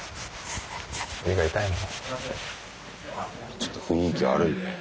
ちょっと雰囲気悪いねやっぱり。